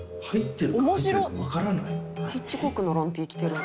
「ヒッチコックのロンＴ着てる」